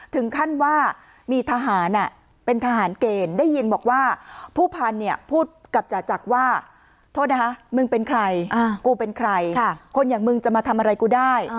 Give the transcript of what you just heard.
ถึงขั้นว่ามีทหารเป็นทหารเกณฑ์ได้ยินบอกว่าผู้พันธุ์เนี่ยพูดกับจ่าจักรว่าโทษนะคะมึงเป็นใครกูเป็นใครคนอย่างมึงจะมาทำอะไรกูได้